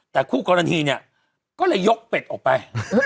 แต่คู่กรณีเนี่ยก็เลยยกเป็ดออกไป